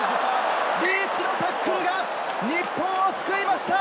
リーチのタックルが日本を救いました！